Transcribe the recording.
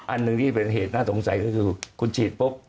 อันหนึ่งที่เป็นเหตุน่าสงสัยก็คือคุณฉีดปุ๊บ